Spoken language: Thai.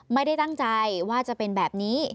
ไม่ได้ตั้งใจว่าจะเป็นแบบนี้